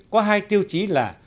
có hai tiêu chí là